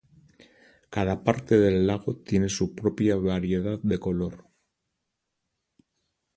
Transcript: Cada parte del lago tiene su propia variedad de color.